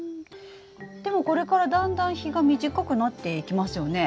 でもこれからだんだん日が短くなっていきますよね。